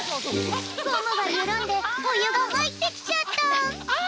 ゴムがゆるんでおゆがはいってきちゃった！